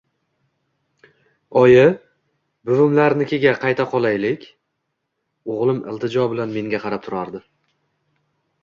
Oyi, buvimlarnikiga qayta qolaylik, o`g`lim iltijo bilan menga qarab turardi